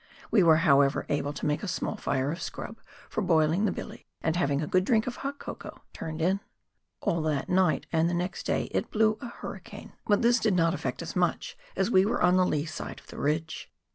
We were, however, able to make a small fire of scrub for boil ing the billy, and having had a good drink of hot cocoa, turned in. All that night and next day it blew a hurricane, but this WAIHO RIVER — THE HIGH COUNTRY. 71 did not affect us much as we were on the lee side of the ridge.